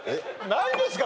何ですか？